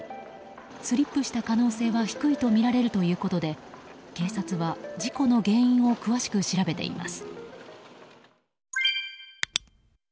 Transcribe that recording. スリップした可能性は低いとみられるということで警察は事故の原因を詳しく調べています。